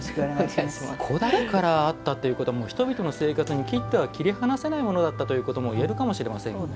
古代からあったということは人々の生活に切っては切り離せないものだったと言えるかもしれませんよね。